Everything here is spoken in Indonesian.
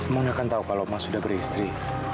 mana kan tahu kalau mas sudah beristri